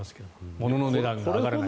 ものの値段が上がらない。